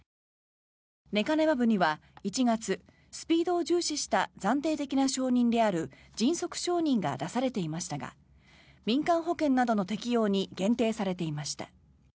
レカネマブには１月、スピードを重視した暫定的な承認である迅速承認が出されていましたが民間保険などの適用に限定されていました。